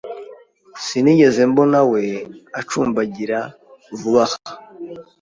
Sinigeze mbonawe acumbagira vuba aha.